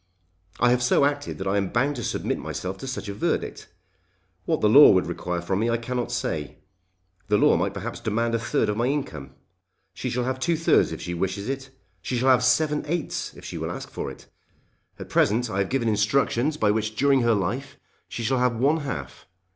I have so acted that I am bound to submit myself to such a verdict. What the law would require from me I cannot say. The law might perhaps demand a third of my income. She shall have two thirds if she wishes it. She shall have seven eighths if she will ask for it. At present I have given instructions by which during her life she shall have one half.